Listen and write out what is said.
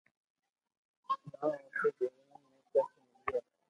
نھ اوسي جيون ۾ ڪسٽ ملئي